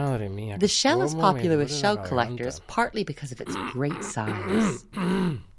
The shell is popular with shell collectors partly because of its great size.